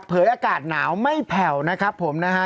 อากาศหนาวไม่แผ่วนะครับผมนะฮะ